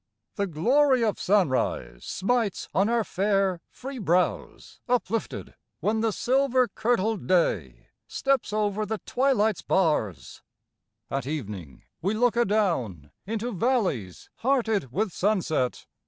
The glory of sunrise smites on our fair, free brows uplifted When the silver kirtled day steps over the twilight's bars; At evening we look adown into valleys hearted with sunset.